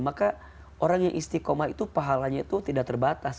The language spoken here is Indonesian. maka orang yang istiqomah itu pahalanya itu tidak terbatas